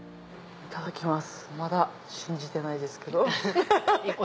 いただきます。